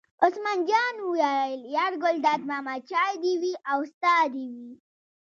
عثمان جان وویل: یار ګلداد ماما چای دې وي او ستا دې وي.